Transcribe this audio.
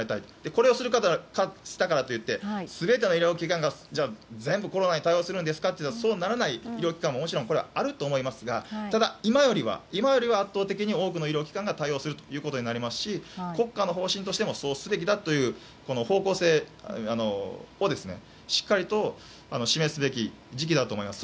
これをしたからといって全ての医療機関が全部コロナに対応するんですかといったらそうならない医療機関ももちろんあると思いますがただ、今よりは圧倒的に多くの医療機関が対応できることになりますし国家の方針としてもそうすべきだという方向性をしっかりと示すべき時期だと思います。